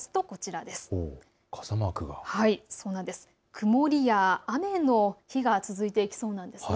曇りや雨の日が続いていきそうなんです。